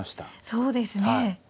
そうですね。